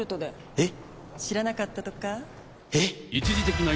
えっ！